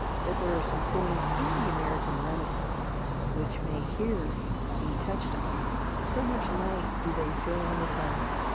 But there are some points in the American Renaissance which may here be touched on, so much light do they throw on the times.